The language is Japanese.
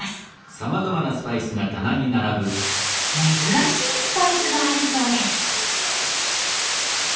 珍しいスパイスがあるそうです。